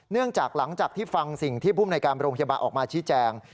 เนื่องจากหลังจากที่ฟังสิ่งที่พอโรงพยาบาลออกมาชี้แจง